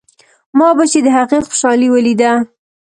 ما به چې د هغې خوشالي وليده.